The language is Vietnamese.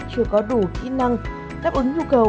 chưa có đủ kỹ năng đáp ứng nhu cầu